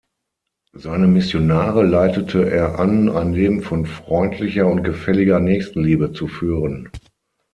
Seine Missionare leitete er an, ein Leben von freundlicher und gefälliger Nächstenliebe zu führen.